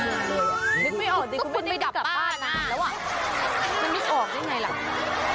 นึกไม่ออกจริงคุณไม่ได้กลับบ้านแล้วอ่ะคุณไม่ได้กลับบ้าน